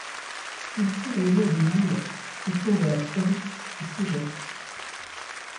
Ils prirent le nom d'Élymes et fondèrent Éryx et Ségeste.